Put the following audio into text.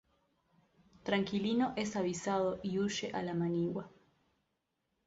Tranquilino es avisado y huye a la manigua.